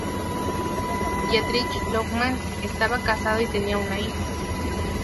Dietrich Lohmann estaba casado y tenía una hija.